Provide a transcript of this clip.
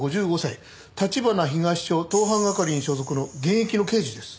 立花東署盗犯係に所属の現役の刑事です。